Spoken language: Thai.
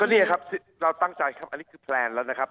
นี่ครับเราตั้งใจครับอันนี้คือแพลนแล้วนะครับ